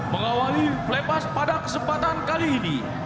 mengawali flepas pada kesempatan kali ini